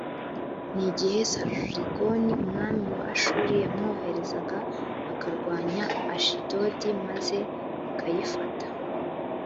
ni igihe sarigoni umwami wa ashuri yamwoherezaga akarwanya ashidodi maze akayifata